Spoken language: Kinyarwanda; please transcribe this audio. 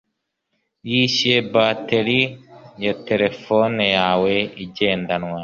Wishyuye bateri ya terefone yawe igendanwa